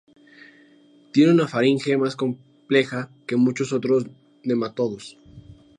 Tiene una faringe más compleja que muchos otros nematodos.